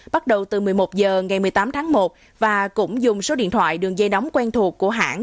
bắt đầu từ một mươi một h ngày một mươi tám tháng một và cũng dùng số điện thoại đường dây đóng quen thuộc của hãng